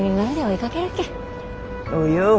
およ。